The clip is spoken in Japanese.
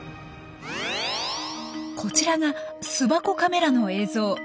こちらが巣箱カメラの映像。